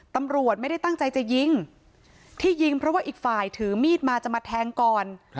ตำรวจไม่ได้ตั้งใจจะยิงที่ยิงเพราะว่าอีกฝ่ายถือมีดมาจะมาแทงก่อน